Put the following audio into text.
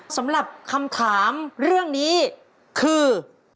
สำหรับคำถามเรื่องนี้คือ